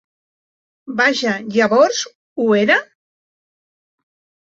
Vaja, llavors ho era?